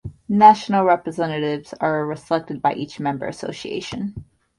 National Representatives are selected by each member association.